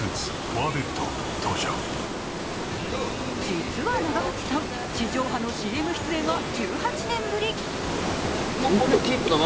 実は長渕さん、地上波のＣＭ出演は１８年ぶり。